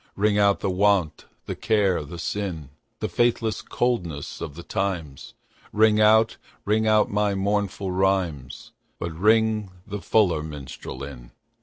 Ring out the want, the care the sin, The faithless coldness of the times; Ring out, ring out my mournful rhymes, But ring the fuller minstrel in.